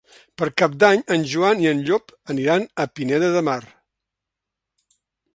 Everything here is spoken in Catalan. Per Cap d'Any en Joan i en Llop aniran a Pineda de Mar.